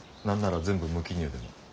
何なら全部無記入でも。